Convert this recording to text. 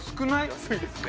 安いですね。